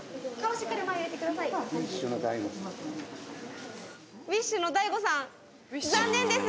しゅのＤＡＩＧＯさん残念です